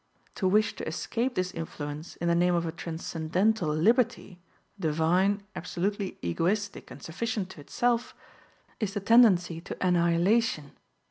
To wish to escape this influence in the name of a transcendental liberty, divine, absolutely egoistic and sufficient to itself, is the tendency to annihilation.